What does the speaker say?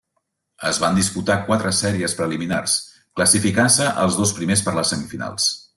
Es van disputar quatre sèries preliminars, classificant-se els dos primers per les semifinals.